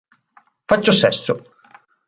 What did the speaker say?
Faccio sesso".